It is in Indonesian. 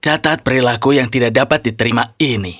catat perilaku yang tidak dapat diterima ini